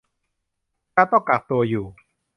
การต้องกักตัวอยู่